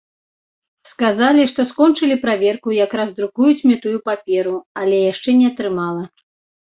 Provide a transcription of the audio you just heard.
Сказалі, што скончылі праверку і якраз друкуюць мне тую паперу, але яшчэ не атрымала.